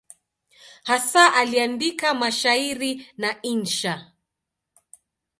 Hasa aliandika mashairi na insha.